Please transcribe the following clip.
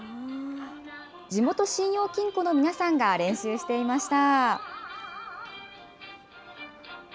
地元信用金庫の皆さんが練習していました。